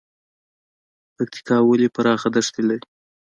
پکتیکا ولې پراخه دښتې لري؟